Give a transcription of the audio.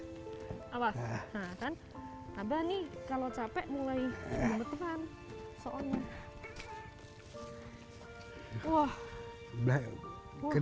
nah kan abah nih kalau capek mulai gemetaran soalnya